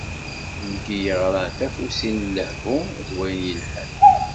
Nekk i yeɣran tafusi n lehhu d wayen yelhan.